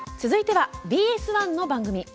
続いては、ＢＳ１の番組。